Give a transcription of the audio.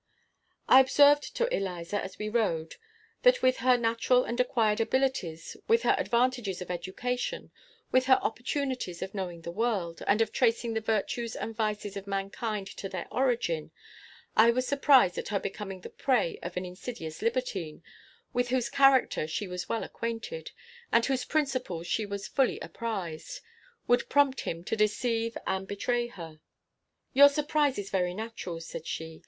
I observed to Eliza, as we rode, that with her natural and acquired abilities, with her advantages of education, with her opportunities of knowing the world, and of tracing the virtues and vices of mankind to their origin, I was surprised at her becoming the prey of an insidious libertine, with whose character she was well acquainted, and whose principles, she was fully apprised, would prompt him to deceive and betray her. "Your surprise is very natural," said she.